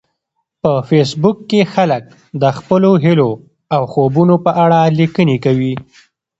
په فېسبوک کې خلک د خپلو هیلو او خوبونو په اړه لیکنې کوي